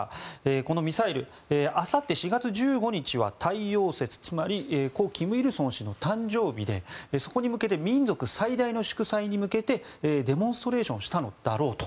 このミサイルあさって、４月１５日は太陽節つまり故・金日成氏の誕生日でそこに向けて民族最大の祝祭に向けてデモンストレーションをしたのだろうと。